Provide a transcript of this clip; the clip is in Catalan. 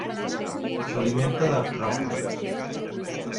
S'alimenta d'artròpodes.